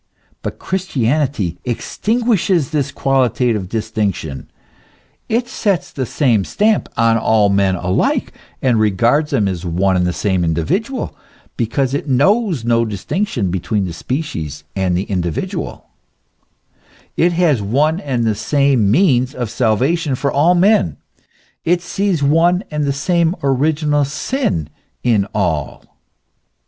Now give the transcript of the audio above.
But Christianity extinguishes this qualitative distinction ; it sets the same stamp on all men alike, and regards them as one and the same individual, because it knows no distinction between the species and the individual : it has one and the same means of salvation for all men, it sees one and the same original sin in all.